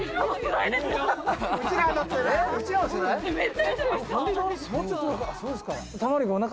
「ああそうですか。